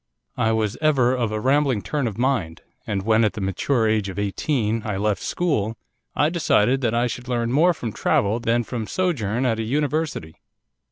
I was ever of a rambling turn of mind, and when, at the mature age of eighteen, I left school, I decided that I should learn more from travel than from sojourn at a university.